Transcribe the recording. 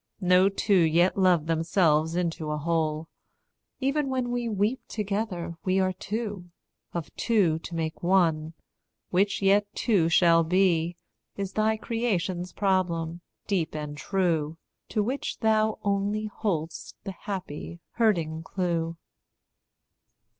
No two yet loved themselves into a whole; Even when we weep together we are two. Of two to make one, which yet two shall be, Is thy creation's problem, deep, and true, To which thou only hold'st the happy, hurting clue.